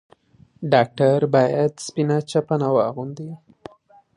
ډاکټر بايد سپينه چپنه واغوندي.